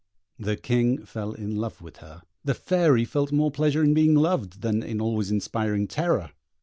The King fell in love with her; the Fairy felt more pleasure in being loved than in always inspiring terror.